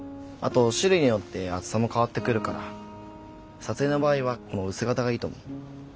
あと種類によって厚さも変わってくるから撮影の場合はこの薄型がいいと思う。